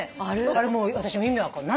あれもう私意味分かんない。